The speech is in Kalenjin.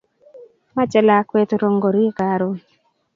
Mache lakwet rongorik karun